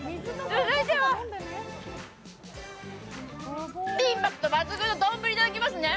続いてはインパクト抜群、丼いきますね。